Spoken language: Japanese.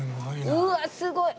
うわっすごい！